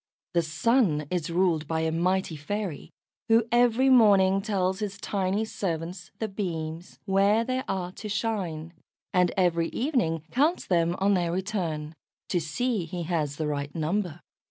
The Sun is ruled by a mighty fairy, who every morning tells his tiny servants, the beams, where they are to shine, and every evening counts them on their return, to see he has the right number.